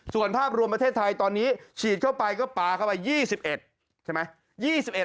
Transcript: ส่วนภาพรวมประเทศไทยตอนนี้ฉีดเข้าไปก็ปลาเข้าไป๒๑ใช่ไหม